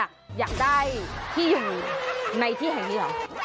ขุดรูรอ